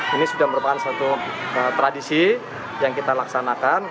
ini sudah merupakan suatu tradisi yang kita laksanakan